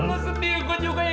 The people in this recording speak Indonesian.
lo sedih gue juga ya